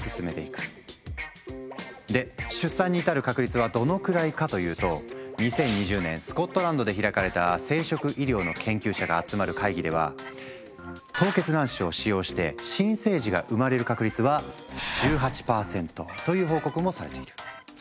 で出産に至る確率はどのくらいかというと２０２０年スコットランドで開かれた生殖医療の研究者が集まる会議では凍結卵子を使用して新生児が産まれる確率は１８％という報告もされている。